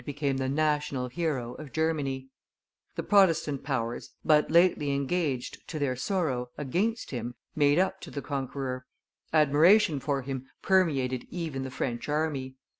became the national hero of Germany; the Protestant powers, but lately engaged, to their sorrow, against him, made up to the conqueror; admiration for him permeated even the French army.